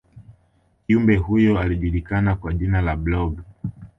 kiumbe huyo alijulikana kwa jina la blob